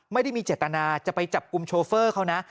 ไม่ได้มีเจตนาจะไปจับกลุ่มโชเฟอร์เขานะ